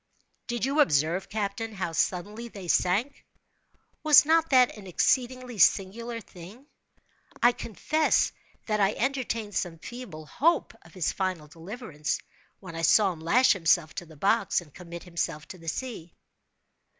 "Did you observe, captain, how suddenly they sank? Was not that an exceedingly singular thing? I confess that I entertained some feeble hope of his final deliverance, when I saw him lash himself to the box, and commit himself to the sea."